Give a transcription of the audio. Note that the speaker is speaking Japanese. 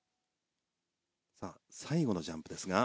最後のジャンプですが。